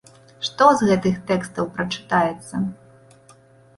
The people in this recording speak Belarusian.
Што з тых тэкстаў прачытаецца?